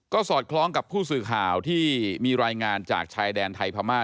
ก็สอดคล้องกับผู้สื่อข่าวที่มีรายงานจากชายแดนไทยพม่า